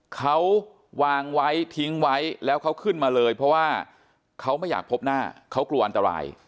เขาวางไว้ทิ้งไว้แล้วเขาขึ้นมาเลยเพราะว่าเขาไม่อยากพบหน้าเขากลัวอันตราย